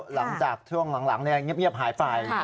หลังจากช่วงหลังเงียบหายไป